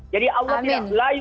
jadi allah tidak belayu